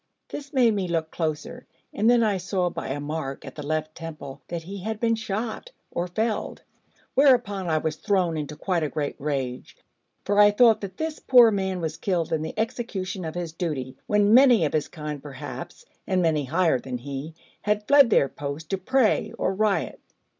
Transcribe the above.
This made me look closer, and then I saw by a mark at the left temple that he had been shot, or felled; whereupon I was thrown into quite a great rage, for I thought that this poor man was killed in the execution of his duty, when many of his kind perhaps, and many higher than he, had fled their post to pray or riot.